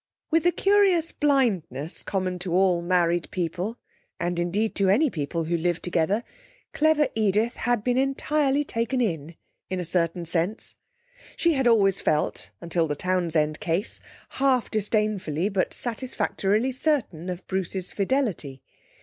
With the curious blindness common to all married people (and indeed to any people who live together), clever Edith had been entirely taken in, in a certain sense; she had always felt (until the 'Townsend case') half disdainfully but satisfactorily certain of Bruce's fidelity.